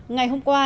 ngày hôm qua